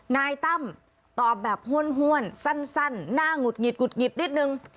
นายตั้มตอบแบบห้วนสั้นหน้าหงุดหงิดหุดหงิดนิดนึง